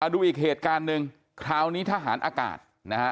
ดูอีกเหตุการณ์หนึ่งคราวนี้ทหารอากาศนะฮะ